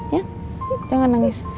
ya jangan nangis